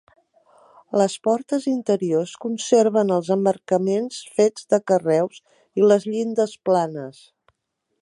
Les portes interiors conserven els emmarcaments fets de carreus i les llindes planes.